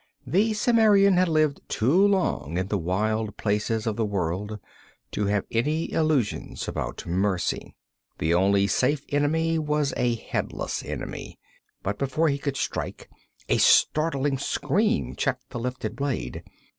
The Cimmerian had lived too long in the wild places of the world to have any illusions about mercy. The only safe enemy was a headless enemy. But before he could strike, a startling scream checked the lifted blade.